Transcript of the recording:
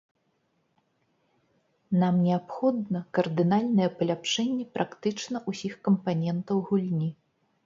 Нам неабходна кардынальнае паляпшэнне практычна ўсіх кампанентаў гульні.